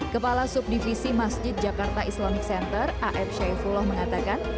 kepala subdivisi masjid jakarta islamic center af syaifullah mengatakan